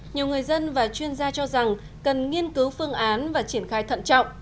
nhiều người dân và chuyên gia cho rằng cần nghiên cứu phương án và triển khai thận trọng